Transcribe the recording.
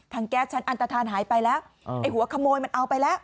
แก๊สชั้นอันตฐานหายไปแล้วไอ้หัวขโมยมันเอาไปแล้ว